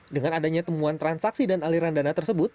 dengan adanya temuan transaksi dan aliran dana tersebut